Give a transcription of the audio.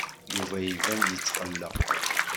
Yuba iban-d yetqelleq.